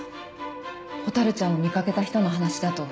ほたるちゃんを見掛けた人の話だと。